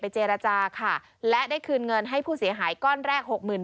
ไปเจรจาค่ะและได้คืนเงินให้ผู้เสียหายก้อนแรก๖๐๐๐๐บาทก่อน